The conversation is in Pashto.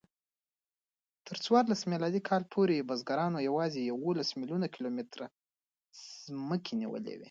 تر څوارلس میلادي کال پورې بزګرانو یواځې یوولس میلیونه کیلومتره ځمکه نیولې وه.